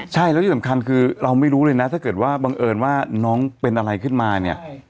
ใช่แล้วที่สำคัญคือเราไม่รู้เลยนะถ้าเกิดว่าบังเอิญว่าน้องเป็นอะไรขึ้นมาเนี่ย